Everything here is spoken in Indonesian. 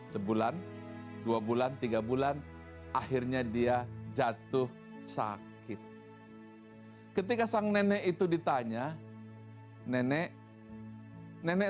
sebulan dua bulan tiga bulan akhirnya dia jatuh sakit ketika sang nenek itu ditanya nenek nenek